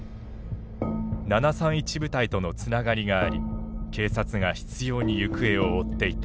７３１部隊とのつながりがあり警察が執ように行方を追っていた。